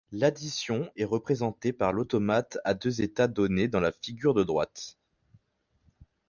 L'addition est représentée par l'automate à deux états donnée dans la figure de droite.